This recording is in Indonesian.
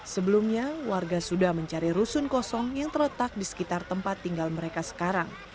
sebelumnya warga sudah mencari rusun kosong yang terletak di sekitar tempat tinggal mereka sekarang